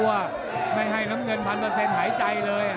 ไม่ได้ให้น้ำเงินพันเปอร์เซ็นท์หายใจเลย